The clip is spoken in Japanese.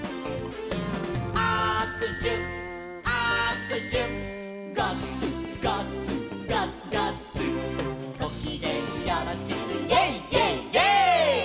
「あくしゅあくしゅ」「ガッツガッツガッツガッツ」「ごきげんよろしく」「イェイイェイイェイ！」